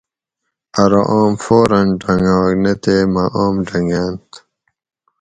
ارو آم فوراً ڈنگاگ نہ تے مہ آم ڈنگاۤنت